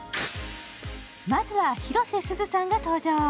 まずは、広瀬すずさんが登場。